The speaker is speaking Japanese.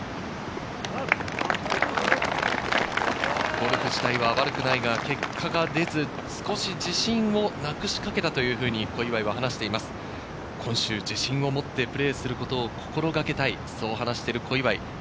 ゴルフ自体は悪くないが結果が出ず、少し自信をなくしかけたというふうに小祝は話しています、今週自信を持ってプレーすることを心がけたい、そう話している小祝。